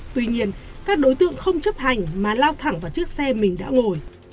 tuy nhiên các đối tượng không chấp hành mà lao thẳng vào chiếc xe mình đã ngồi